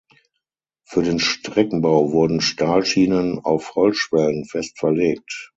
Für den Streckenbau wurden Stahlschienen auf Holzschwellen fest verlegt.